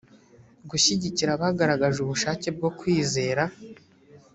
gushyigikira abagaragaje ubushake bwo kwizera